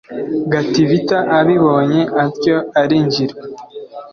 Gatibita abibonye atyo arinjirwa